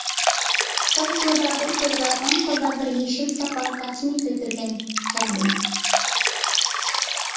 سول قولىدا بىر كوزا، ئوڭ قولىدا بىر يېشىل ساپال قاچىنى كۆتۈرگەن كەلدى.